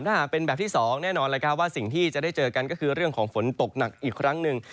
ถ้าหากเป็นแบบที่๒แน่นอนว่าสิ่งที่จะได้เจอกันก็คือเรื่องของฝนตกหนักอีกครั้งหนึ่ง